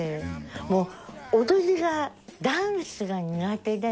もう踊りがダンスが苦手で。